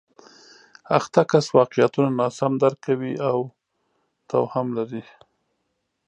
اخته کس واقعیتونه ناسم درک کوي او توهم لري